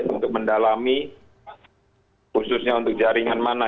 untuk mendalami khususnya untuk jaringan mana